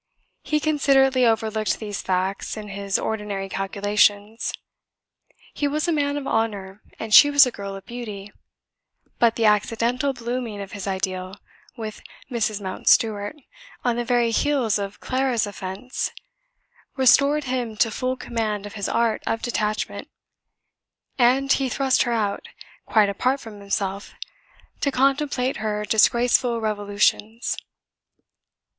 He considerately overlooked these facts in his ordinary calculations; he was a man of honour and she was a girl of beauty; but the accidental blooming of his ideal, with Mrs. Mountstuart, on the very heels of Clara's offence, restored him to full command of his art of detachment, and he thrust her out, quite apart from himself, to contemplate her disgraceful revolutions.